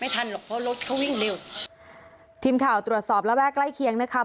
ทีมข่าวตรวจสอบแล้วแวะใกล้เคียงนะครับ